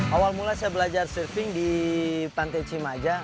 awal mula saya belajar surfing di pantai cimajang